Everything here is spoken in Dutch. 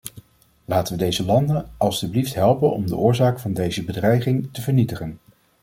Laten we deze landen alstublieft helpen om de oorzaak van deze bedreiging te vernietigen.